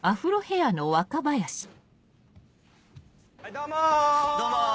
どうも。